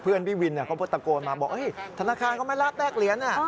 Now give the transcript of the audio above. เพื่อนพี่วินเขาพดตะโกนมาบอกธนาคารก็ไม่รับแรกเหรียญ